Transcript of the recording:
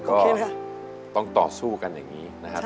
ก็ต้องต่อสู้กันอย่างนี้นะครับ